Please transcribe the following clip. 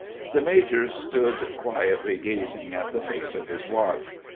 The major stood quietly gazing at the face of his watch.